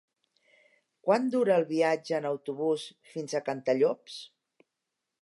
Quant dura el viatge en autobús fins a Cantallops?